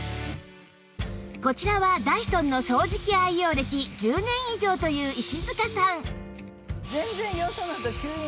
こちらはダイソンの掃除機愛用歴１０年以上という石塚さん